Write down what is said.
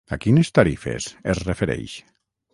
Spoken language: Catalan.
A quines tarifes es refereix?